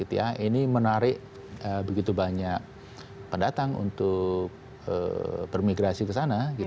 ini menarik begitu banyak pendatang untuk bermigrasi ke sana